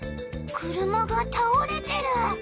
車がたおれてる。